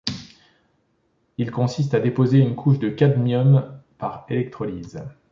Il consiste à déposer une couche de cadmium par électrolyse.